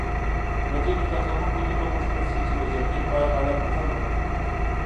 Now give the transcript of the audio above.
له ځینو زده کوونکو دې وغوښتل شي چې د جرګې په اړه نظر ورکړي.